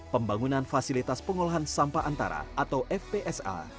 pembangunan fasilitas pengolahan sampah antara atau fpsa